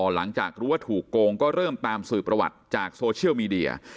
หลังจากรู้ว่าถูกโกงก็เริ่มตามสื่อประวัติจากโซเชียลมีเดีย